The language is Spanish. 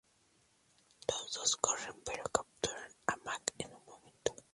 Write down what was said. Los dos corren, pero capturan a Mac en un momento.